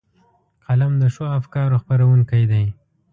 قلم د ښو افکارو خپرونکی دی